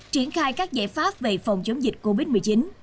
triển khai các giải pháp về phòng chống dịch covid một mươi chín